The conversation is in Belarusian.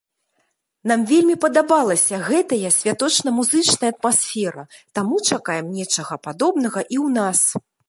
Нам вельмі падабалася гэтая святочна музычная атмасфера, таму чакаем нечага падобнага і ў нас.